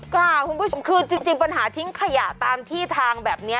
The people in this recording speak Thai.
ค่ะคุณผู้ชมคือจริงปัญหาทิ้งขยะตามที่ทางแบบนี้